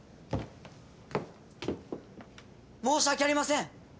申し訳ありません！